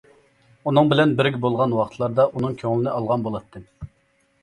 ئۇنىڭ بىلەن بىرگە بولغان ۋاقىتلاردا ئۇنىڭ كۆڭلىنى ئالغان بولاتتىم.